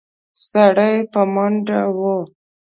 سړی په منډه و.